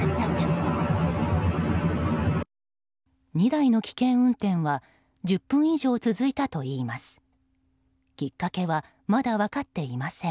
２台の危険運転は１０分以上続いたといいます。